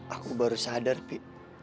aku baru sadar pi